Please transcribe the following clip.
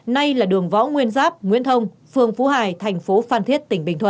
nay là đường võ nguyên giáp nguyễn thông phường phú hải thành phố phan thiết tỉnh bình thuận